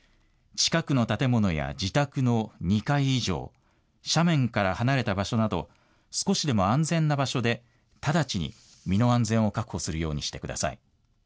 近くの建物や自宅の２階以上、斜面から離れた場所など少しでも安全な場所で直ちに身の安全を確保するようにしてください。